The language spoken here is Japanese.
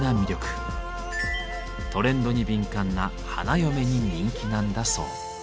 トレンドに敏感な花嫁に人気なんだそう。